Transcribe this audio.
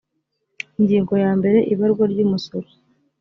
ingingo yambere ibarwa ry umusoro